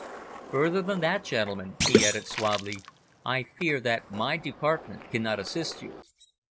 Further than that, gentlemen," he added suavely, "I fear that my Department cannot assist you."